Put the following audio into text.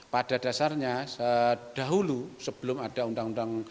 pada dasarnya dahulu sebelum ada undang undang